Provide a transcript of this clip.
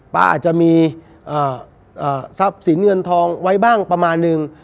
ป๋าอาจจะมีอ่าอ่าทรัพย์สินเงินทองไว้บ้างประมาณหนึ่ง